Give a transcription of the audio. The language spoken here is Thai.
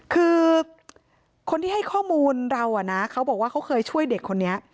คือคนที่ให้ข้อมูลเรานะเขาบอกว่าเขาเคยช่วยเด็กคนนี้